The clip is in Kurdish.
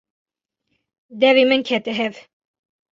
Devê min kete hev.